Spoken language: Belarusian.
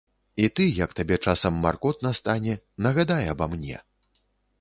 І ты як табе часам маркотна стане, нагадай аба мне.